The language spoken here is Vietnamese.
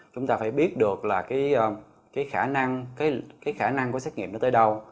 chúng ta phải biết được là cái khả năng của xét nghiệm nó tới đâu